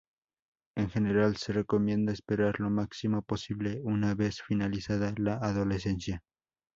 En general, se recomienda esperar lo máximo posible, una vez finalizada la adolescencia.